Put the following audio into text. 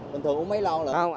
bình thường uống mấy lon rồi